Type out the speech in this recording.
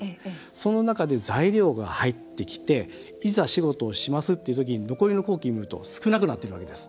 その中で材料が入ってきていざ、仕事をしますという時に残りの工期を見ると少なくなっているわけです。